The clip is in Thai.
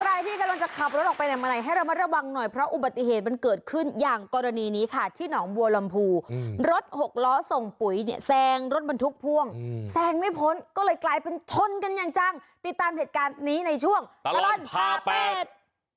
ใครที่กำลังจะขับรถออกไปไหนมาไหนให้ระมัดระวังหน่อยเพราะอุบัติเหตุมันเกิดขึ้นอย่างกรณีนี้ค่ะที่หนองบัวลำพูรถหกล้อส่งปุ๋ยเนี่ยแซงรถบรรทุกพ่วงแซงไม่พ้นก็เลยกลายเป็นชนกันอย่างจังติดตามเหตุการณ์นี้ในช่วงตลอดพาเป็ด